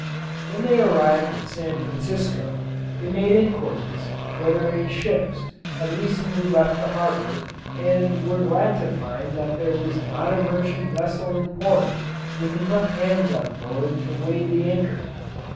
When they arrived at San Francisco, they made inquiries whether any ships had recently left the harbour, and were glad to find that there was not a merchant vessel in port with enough hands on board to weigh the anchor.